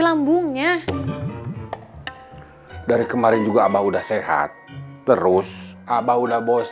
lambungnya dari kemarin juga abah udah sehat terus abah udah bos